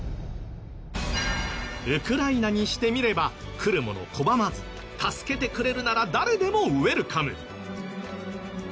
ウクライナにしてみれば来る者拒まず助けてくれるなら誰でもウェルカム。